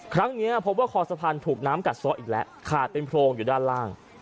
ครั้งนี้พบว่าคอสะพานถูกน้ำกัดซ้ออีกแล้วขาดเป็นโพรงอยู่ด้านล่าง